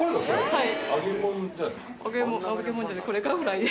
はい。